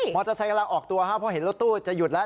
มอเตอร์ไซค์กำลังออกตัวเพราะเห็นรถตู้จะหยุดแล้ว